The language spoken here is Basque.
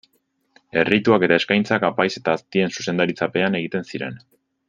Errituak eta eskaintzak apaiz eta aztien zuzendaritzapean egiten ziren.